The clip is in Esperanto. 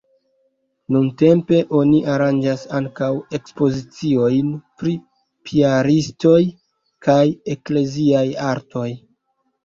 Nuntempe oni aranĝas ankaŭ ekspoziciojn pri piaristoj kaj ekleziaj artoj.